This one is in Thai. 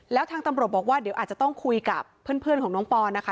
แล้วทางตำรวจบอกว่าเดี๋ยวอาจจะต้องคุยกับเพื่อนของน้องปอนนะคะ